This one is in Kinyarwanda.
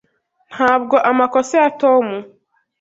Ntabwo amakosa ya Tom.